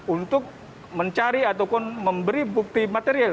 untuk mencari ataupun memberi bukti material